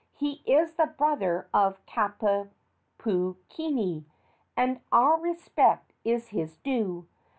He is the brother of Kapukini, and our respect is his due.